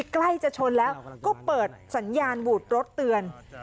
ใกล้จะชนแล้วก็เปิดสัญญาณบูดรถเตือน